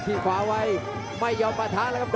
โอ้โหไม่พลาดกับธนาคมโด้แดงเขาสร้างแบบนี้